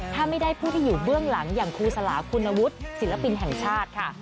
ถ้าไม่ได้ผู้ที่อยู่เบื้องหลังอย่างครูสลาคุณวุฒิศิลปินแห่งชาติค่ะ